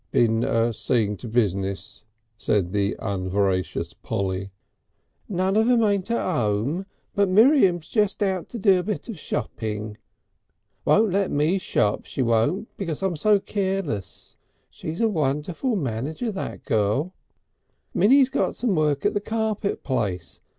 "Been seeing to business," said the unveracious Polly. "None of 'em ain't at 'ome, but Miriam's just out to do a bit of shopping. Won't let me shop, she won't, because I'm so keerless. She's a wonderful manager, that girl. Minnie's got some work at the carpet place.